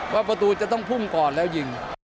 ประตูจะต้องพุ่งก่อนแล้วยิง